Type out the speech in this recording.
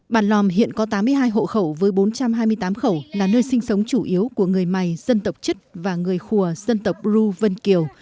bản lòm hiện có tám mươi hai hộ khẩu với bốn trăm hai mươi tám khẩu là nơi sinh sống chủ yếu của người mày dân tộc chất và người khùa dân tộc ru vân kiều